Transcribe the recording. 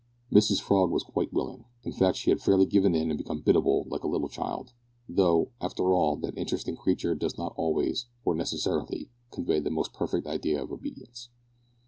Mrs Frog was quite willing. In fact she had fairly given in and become biddable like a little child, though, after all, that interesting creature does not always, or necessarily, convey the most perfect idea of obedience!